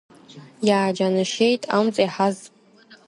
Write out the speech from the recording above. Иааџьанашьеит Амҵ иаҳаз.